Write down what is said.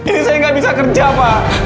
ini saya nggak bisa kerja pak